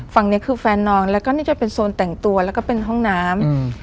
ฝั่งนี้คือแฟนน้องแล้วก็นี่จะเป็นโซนแต่งตัวแล้วก็เป็นห้องน้ำ